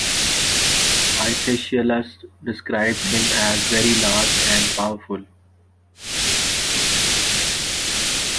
Aeschylus describes him as very large and powerful.